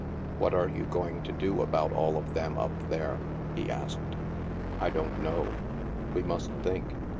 "What are you going to do about all of them up there? '* he asked. " I don't know. We must think.